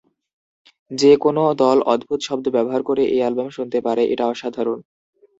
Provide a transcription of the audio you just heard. যে কোন দল অদ্ভুত শব্দ ব্যবহার করে এই অ্যালবাম শুনতে পারে, এটা অসাধারণ।